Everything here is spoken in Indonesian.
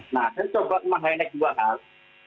nah saya coba mengenai dua hal